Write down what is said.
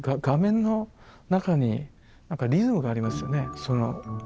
画面の中に何かリズムがありますよね。